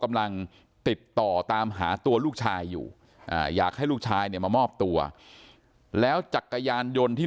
เขาติดต่อมาก็บอกว่าใครจ้างคนมาทำอะไรอย่างนี้